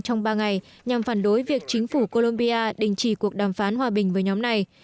trong ba ngày nhằm phản đối việc chính phủ colombia đình chỉ cuộc đàm phán hòa bình với nhóm này